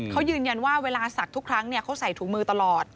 เขายืนยันว่าเวลาศักดิ์ทุกครั้งเขาใส่ถุงมือตลอด